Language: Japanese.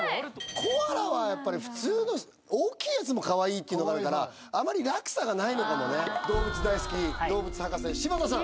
コアラは普通の大きいやつもカワイイっていうのがあるからあまり落差がないのかもね動物大好き動物博士柴田さん